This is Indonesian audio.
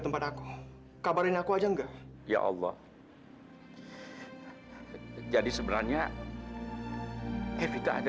sampai jumpa di video selanjutnya